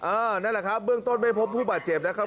นั่นแหละครับเบื้องต้นไม่พบผู้บาดเจ็บนะครับ